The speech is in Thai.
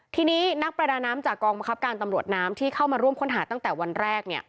ทีนี้นักประดาน้ำจากกองบังคับการตำรวจน้ำที่เข้ามาร่วมค้นหาตั้งแต่วันแรก